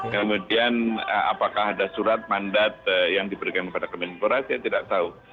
kemudian apakah ada surat mandat yang diberikan kepada kemenpora saya tidak tahu